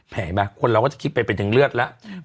เห็นไหมคนเราก็จะคิดไปไปถึงเลือดแล้ว